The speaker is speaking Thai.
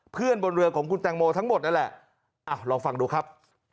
บนเรือของคุณแตงโมทั้งหมดนั่นแหละลองฟังดูครับ